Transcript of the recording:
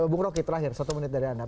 bung roky terakhir satu menit dari anda